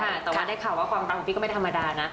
แต่ว่าได้ข่าวว่าความปังของพี่ก็ไม่ได้ธรรมดานะ